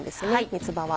三つ葉は。